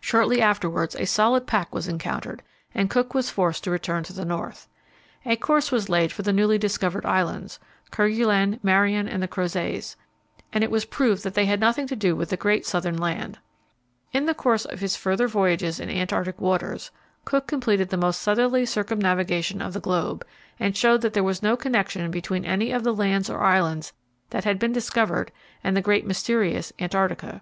Shortly afterwards a solid pack was encountered, and Cook was forced to return to the north. A course was laid for the newly discovered islands Kerguelen, Marion, and the Crozets and it was proved that they had nothing to do with the great southern land. In the course of his further voyages in Antarctic waters Cook completed the most southerly circumnavigation of the globe, and showed that there was no connection between any of the lands or islands that had been discovered and the great mysterious "Antarctica."